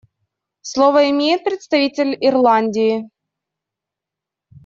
Слово имеет представитель Ирландии.